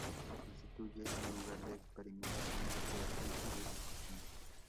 Constituye un lugar de experimentación, de creación y de difusión.